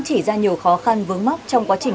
chỉ ra nhiều khó khăn vướng mắc trong quá trình